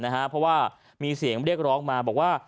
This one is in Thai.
เพราะว่ามีเสียงเรียกร้องมาบอกว่า